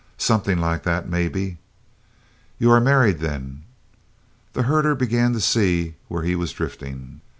"Somethin' like that, maybe." "You are married, then?" The herder began to see where he was drifting.